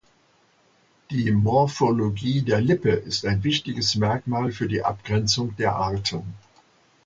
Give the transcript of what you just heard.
Die Morphologie der Lippe ist ein wichtiges Merkmal für die Abgrenzung der Arten.